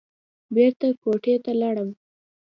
بېرته کوټې ته لاړم.